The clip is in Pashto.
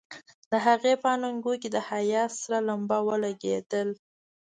د هغې په اننګو کې د حيا سره لمبه ولګېده.